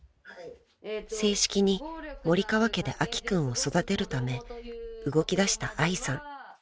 ［正式に森川家で明希君を育てるため動きだした愛さん］